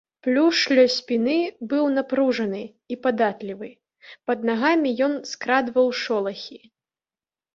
Плюш ля спіны быў напружаны і падатлівы, пад нагамі ён скрадваў шолахі.